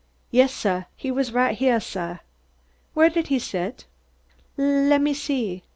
"Yes, suh! He was right heah." "Where did he sit?" "Lemme see.